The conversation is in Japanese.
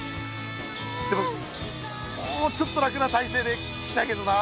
でももうちょっと楽なたいせいで聞きたいけどな。